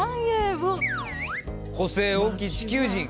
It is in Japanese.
個性多き地球人！